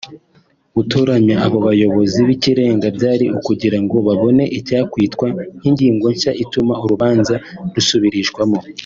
Gukoranya abo bayobozi b’ ikirenga byari ukugira ngo babone icyakwitwa nk’ ingingo nshya ituma urubanza rusubirishwamo